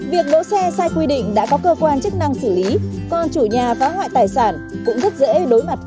việc đỗ xe sai quy định đã có cơ quan chức năng xử lý còn chủ nhà phá hoại tài sản cũng rất dễ đối mặt